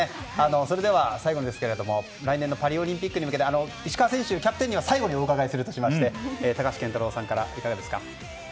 それでは最後に来年のパリオリンピックに向けて石川選手、キャプテンには最後にお伺いするとしまして高橋健太郎さんからいかがですか。